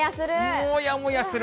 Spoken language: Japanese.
もやもやする。